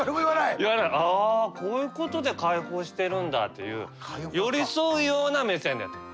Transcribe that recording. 「あこういうことで解放してるんだ」っていう寄り添うような目線でやってる。